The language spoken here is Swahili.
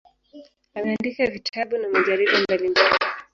Ameandika vitabu na majarida mbalimbali.